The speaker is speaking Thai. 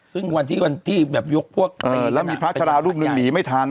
ซึ่งวันที่วันที่แบบยกพวกเออแล้วมีพระชรารูปนึงหนีไม่ทัน